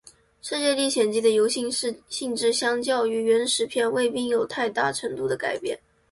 世界历险记的游戏性质相较于原始片并未有太大程度的改变。